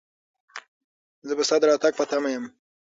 زه به ستا د راتګ په تمه یم.